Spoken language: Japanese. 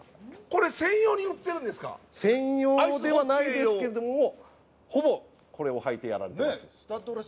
専用ではないですけどもほぼこれを履いています。